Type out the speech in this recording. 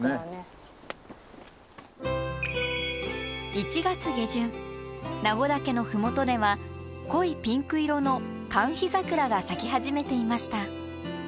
１月下旬名護岳の麓では濃いピンク色のカンヒザクラが咲き始めていました。